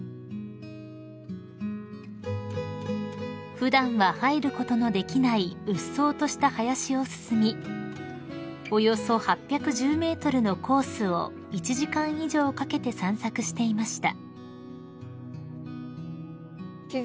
［普段は入ることのできないうっそうとした林を進みおよそ８１０ｍのコースを１時間以上かけて散策していました］